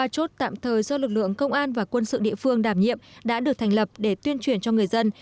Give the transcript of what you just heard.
ba chốt tạm thời do lực lượng công an và quân sự địa phương đảm nhiệm đã được thành lập để tuyên truyền cho người dân